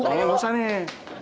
tau lu usah nih